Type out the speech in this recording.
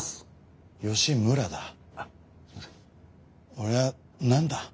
俺は何だ？